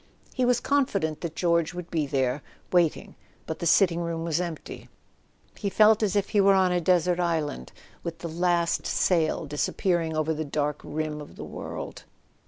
He was confident that George would be there wait [ 04 ] A SON AT THE FRONT ing; but the sitting room was empty. He felt as if he were on a desert island, with the last sail disappearing over the dark rim of the world.